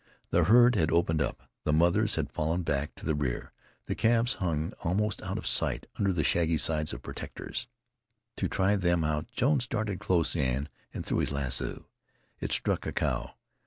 The herd had opened up; the mothers had fallen back to the rear; the calves hung almost out of sight under the shaggy sides of protectors. To try them out Jones darted close and threw his lasso. It struck a cow.